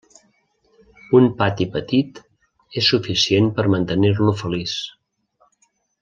Un pati petit és suficient per mantenir-lo feliç.